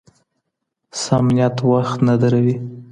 سم نیت وخت نه دروي.